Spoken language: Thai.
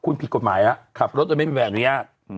นั่นแหละ